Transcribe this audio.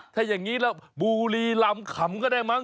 ถ้าอย่างนี้แล้วบุรีรำขำก็ได้มั้